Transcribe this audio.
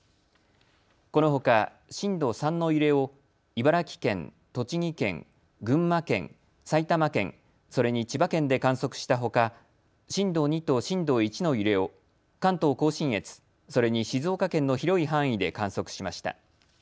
このほか震度３の揺れを茨城県、栃木県、群馬県、埼玉県、それに千葉県で観測したほか震度２と震度１の揺れを関東甲信越、それに静岡県の広い範囲で観測しました。